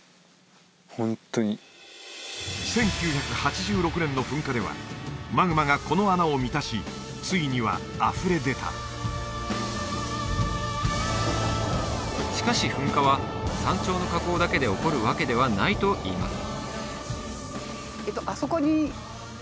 ホントに１９８６年の噴火ではマグマがこの穴を満たしついにはあふれ出たしかし噴火は山頂の火口だけで起こるわけではないといいます